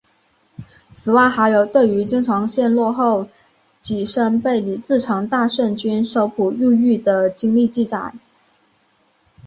此外还有对于京城陷落后己身被李自成大顺军搜捕入狱的经历记载。